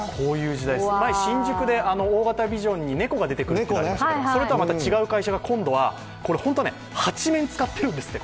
前、新宿で大型ビジョンに猫が出てくるのがありましたけどそれとはまた違う会社が、今度は、これは本当は８面使っているんですって。